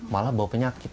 malah bawa penyakit